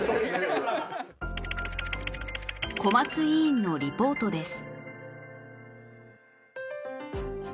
小松委員のリポートです